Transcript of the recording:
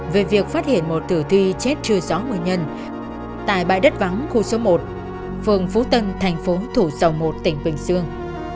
về việc phát hiện một tử thi chết trưa gió một mươi nhân tại bãi đất vắng khu số một phường phú tân thành phố thủ dầu một tỉnh bình dương